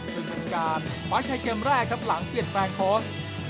ซึ่งเป็นการคว้าชัยเกมแรกครับหลังเปลี่ยนแปลงโค้ช